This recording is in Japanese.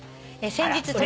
「先日」